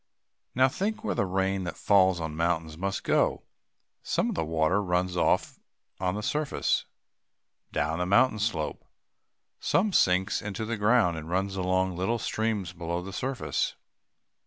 Now think where the rain that falls on mountains must go. Some of the water runs off on the surface, down the mountain slope. Some sinks into the ground, and runs along in little streams below the surface.